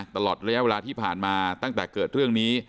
ตลอดระยะเวลาที่ผ่านมาตั้งแต่เกิดเรื่องนี้